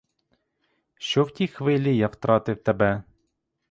Що в тій хвилі я втратив тебе.